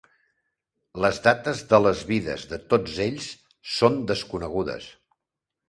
Les dates de les vides de tots ells són desconegudes.